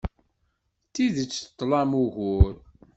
D tidet tlam ugur.